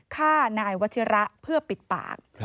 ฆ่านายวัชิระเพื่อปิดปาก